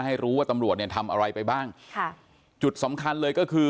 ให้รู้ว่าตำรวจเนี่ยทำอะไรไปบ้างค่ะจุดสำคัญเลยก็คือ